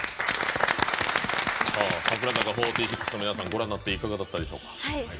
櫻坂４６の皆さんご覧になっていかがだったでしょうか？